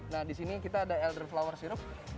nah disini kita ada elderflower syrup